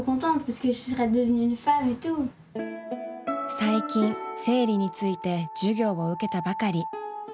最近生理について授業を受けたばかり。